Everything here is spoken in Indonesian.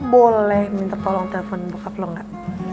boleh minta tolong telfon bokap lo gak